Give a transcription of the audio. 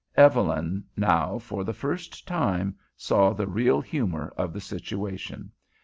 Evelyn now, for the first time, saw the real humor of the situation.